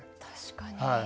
確かに。